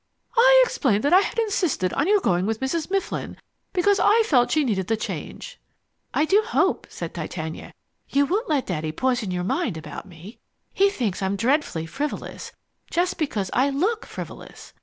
"I explained that I had insisted on your going with Mrs. Mifflin, because I felt she needed the change." "I do hope," said Titania, "you won't let Daddy poison your mind about me. He thinks I'm dreadfully frivolous, just because I LOOK frivolous.